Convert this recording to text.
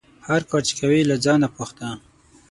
هر کار چې کوې له ځانه پوښته